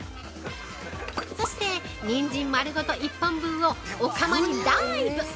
そしてニンジン丸ごと１本分をお釜にダイブ。